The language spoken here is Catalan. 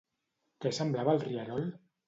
Què semblava el rierol?